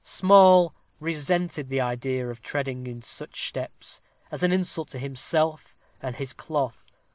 Small resented the idea of treading in such steps, as an insult to himself and his cloth.